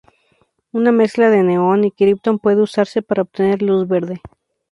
Una mezcla de neón y kriptón puede usarse para obtener luz verde.